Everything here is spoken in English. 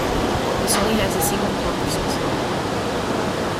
This only has a single core processor.